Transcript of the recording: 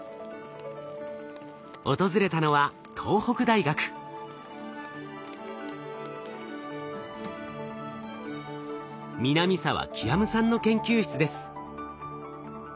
訪れたのは南澤究さんの研究室です。